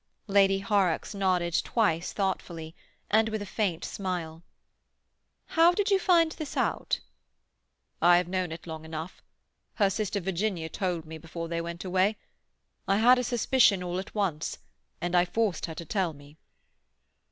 Lady Horrocks nodded twice thoughtfully, and with a faint smile. "How did you find this out?" "I have known it long enough. Her sister Virginia told me before they went away. I had a suspicion all at once, and I forced her to tell me."